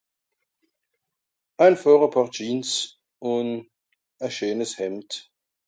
einfàch a pàar jeans un a scheenes Hemd